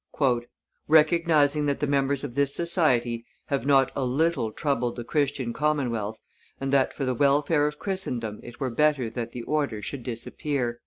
"Recognizing that the members of this Society have not a little troubled the Christian commonwealth, and that for the welfare of Christendom it were better that the Order should disappear."